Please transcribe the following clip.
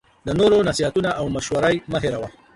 د نورو نصیحتونه او مشوری مه هیروه